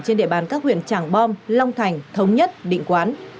trên địa bàn các huyện tràng bom long thành thống nhất định quán